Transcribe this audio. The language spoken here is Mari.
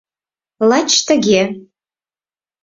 Лач тыге!